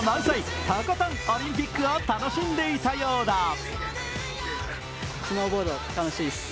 とことんオリンピックを楽しんでいたようだ。